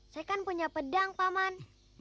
saya kan punya pedang pak man